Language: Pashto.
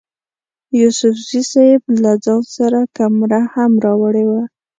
یوسفزي صیب له ځان سره کمره هم راوړې وه.